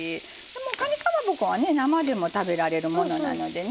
かにかまぼこは生でも食べられるものなのでね